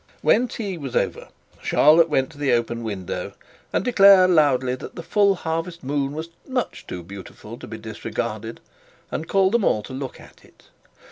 When tea was over Charlotte went to the open window and declared loudly that the full harvest moon was much too beautiful to be disregarded, and called them to look at it.